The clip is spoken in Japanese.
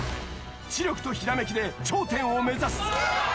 知力とひらめきで頂点を目指す